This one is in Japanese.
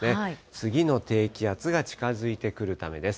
次の低気圧が近づいてくるためです。